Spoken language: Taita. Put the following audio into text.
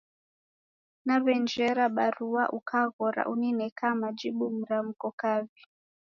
Namwenjera barua ukaghora unineka majibu mramko kaw'i